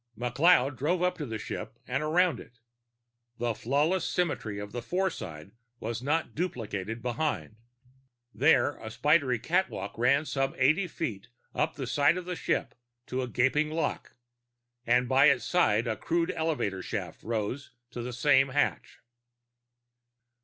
McLeod drove up to the ship and around it. The flawless symmetry of the foreside was not duplicated behind; there, a spidery catwalk ran some eighty feet up the side of the ship to a gaping lock, and by its side a crude elevator shaft rose to the same hatch.